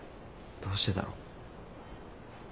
どうしてだろう。